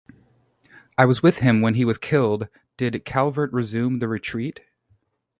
I was with him when he was killed' did Calvert resume the retreat.